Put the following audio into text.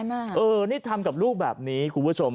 นี่ทำกับลูกแบบนี้คุณผู้ชม